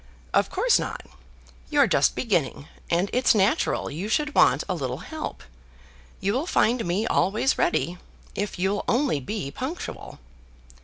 Of course not. You're just beginning, and it's natural you should want a little help. You'll find me always ready, if you'll only be punctual."